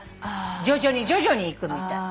徐々に徐々に行くみたい。